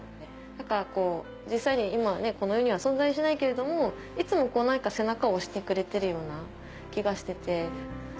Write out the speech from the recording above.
だから実際に今この世には存在しないけれどもいつも背中を押してくれてるような気がしてて。